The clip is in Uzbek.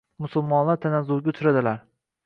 musulmonlar tanazzulga uchradilar